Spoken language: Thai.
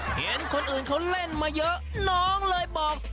เห็นคนอื่นเขาเล่นมาเยอะน้องเลยบอก